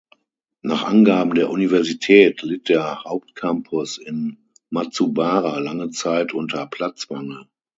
Nach Angaben der Universität litt der Hauptcampus in Matsubara lange Zeit unter Platzmangel.